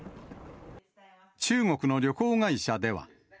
中国の旅行会社では。